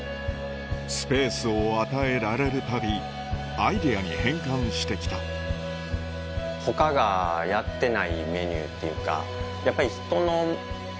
スペースを与えられるたびアイデアに変換してきたやっぱり。